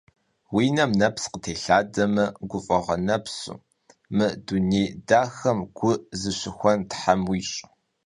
Vui nem neps khıtêlhademe guf'eğue nepsu, mı dunêy daxem gu şızıxuen Them vuiş'.